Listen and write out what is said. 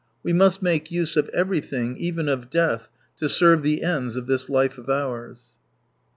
We must make use of everything, even of death, to serve the ends of this life of ours.